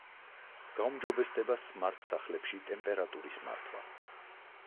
გაუმჯობესდება სმართ-სახლებში ტემპერატურის მართვა.